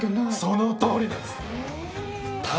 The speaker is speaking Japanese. そのとおりなんです。